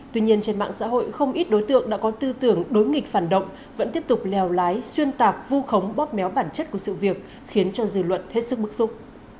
tuy nhiên trên mạng xã hội không ít đối tượng đã có tư tưởng đối nghịch phản động vẫn tiếp tục lèo lái xuyên tạc vu khống bóp méo bản chất của sự việc khiến cho dư luận hết sức bức xúc